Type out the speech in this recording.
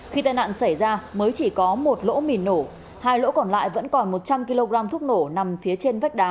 khi tai nạn xảy ra mới chỉ có một lỗ mìn nổ hai lỗ còn lại vẫn còn một trăm linh kg thuốc nổ nằm phía trên vách đá